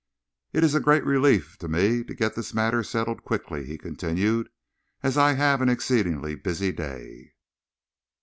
It is a great relief to me to get this matter settled quickly," he continued, "as I have an exceedingly busy day.